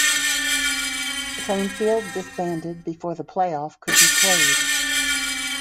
Plainfield disbanded before the playoff could be played.